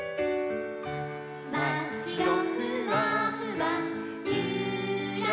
「まっしろふわふわゆーらゆらら」